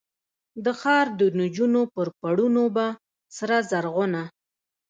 د ښار دنجونو پر پوړونو به، سره زرغونه،